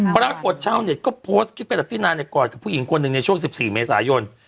พระราชกวดเช่านี่ก็โพสต์คลิปกระดับที่นายกอดกับผู้หญิงคนหนึ่งในช่วง๑๔เมษายน